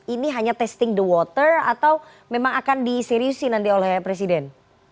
ini hanya testing the water atau memang akan diseriusi nanti oleh presiden